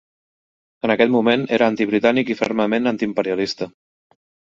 En aquest moment, era antibritànic i fermament antiimperialista.